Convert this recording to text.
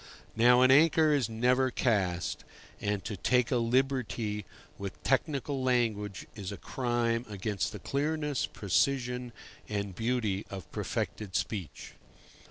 Now, an anchor is never cast, and to take a liberty with technical language is a crime against the clearness, precision, and beauty of perfected speech.